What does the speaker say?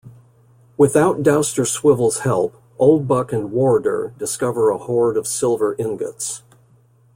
Without Dousterswivel's help Oldbuck and Wardour discover a hoard of silver ingots.